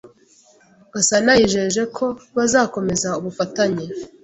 Gasana yijeje ko bazakomeza ubufatanye